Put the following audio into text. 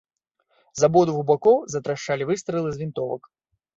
З абодвух бакоў затрашчалі выстралы з вінтовак.